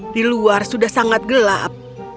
di luar sudah sangat gelap